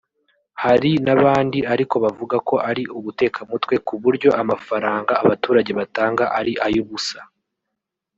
Hari n’abandi ariko bavuga ko ari ubutekamutwe ku buryo amafaranga abaturage batanga ari ay’ubusa